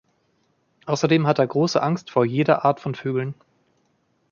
Außerdem hat er große Angst vor jeder Art von Vögeln.